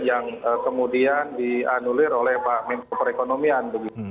yang kemudian dianulir oleh pak menko perekonomian